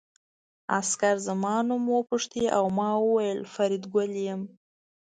عسکر زما نوم وپوښت او ما وویل فریدګل یم